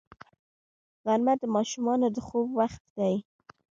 غرمه د ماشومانو د خوب وخت دی